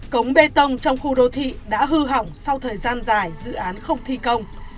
cống bê tông trong khu đô thị đã hư hỏng sau thời gian dài dự án không thi công